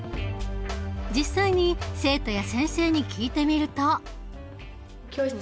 実際に生徒や先生に聞いてみると。